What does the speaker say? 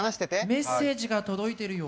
メッセージが届いているよ